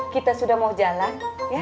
kita sudah mau jalan